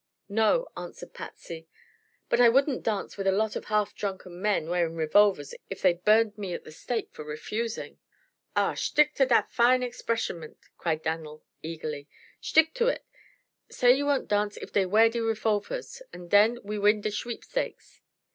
"No," answered Patsy. "But I wouldn't dance with a lot of half drunken men wearing revolvers, if they burned me at the stake for refusing." "Ah! shtick to dat fine expressionment," cried Dan'l, eagerly. "Shtick to id! Say you won't dance if dey wear de refolfers unt den we win de schweepstakes!"